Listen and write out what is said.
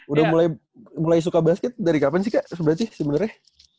udah mulai suka basket dari kapan sih kak sebenarnya